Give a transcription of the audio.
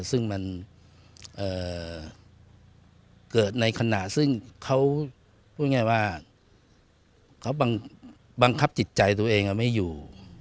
ซึ่งมันเกิดในขณะซึ่งเขาบังคับจิตใจตัวเองไม่อยู่